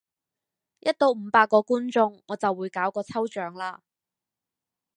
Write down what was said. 一到五百個觀眾我就會搞個抽獎喇！